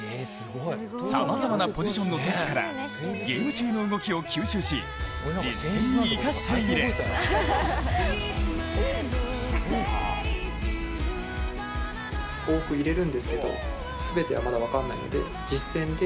さまざまなポジションの選手からゲーム中の動きを吸収し実戦に生かしている。